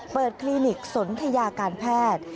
เปิดคลีนิกสนทยาการแพทย์